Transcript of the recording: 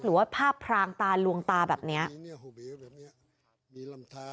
หรือว่าภาพพรางตาลวงตาแบบนี้